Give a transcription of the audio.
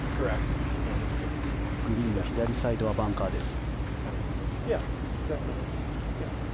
グリーン左サイドはバンカーです。